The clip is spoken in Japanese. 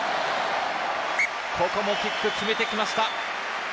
ここもキックを決めてきました。